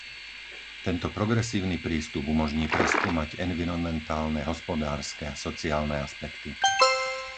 Tento progresívny prístup umožní preskúmať environmentálne, hospodárske a sociálne aspekty.